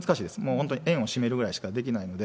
本当、園を閉めるぐらいしかできないので、